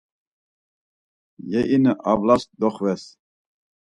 Yeine avlas doxves.